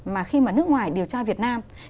mà khi mà nước ngoài điều tra việt nam